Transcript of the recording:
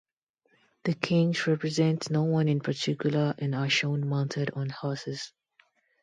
The Kings represent no one in particular and are shown mounted on horses.